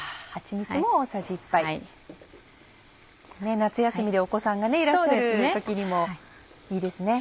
夏休みでお子さんがいらっしゃる時にもいいですね。